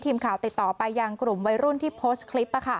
ทีมข่าวติดต่อไปยังกลุ่มวัยรุ่นที่โพสต์คลิป